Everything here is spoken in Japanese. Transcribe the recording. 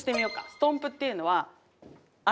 ストンプっていうのは足を。